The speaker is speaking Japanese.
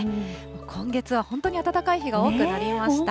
今月は本当に暖かい日が多くなりました。